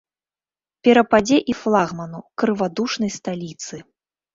Перападзе і флагману, крывадушнай сталіцы.